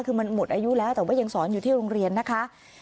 คือมันหมดอายุแล้วแต่ว่ายังสอนอยู่ที่โรงเรียนนะคะ